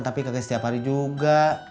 tapi kakek setiap hari juga